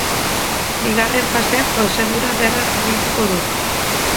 Bigarren faseak prozedura bera jarraituko du.